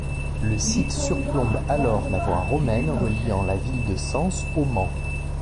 Le site surplombe alors la voie romaine reliant la ville de Sens au Mans.